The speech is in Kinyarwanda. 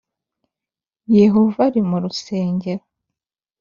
Yehova ari mu rusengero